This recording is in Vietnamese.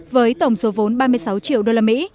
với tổng số vốn ba mươi sáu triệu usd